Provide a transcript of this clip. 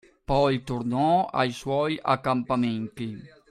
Poi, tornò ai suoi accampamenti.